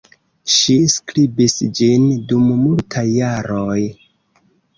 Ŝi skribis ĝin dum multaj jaroj.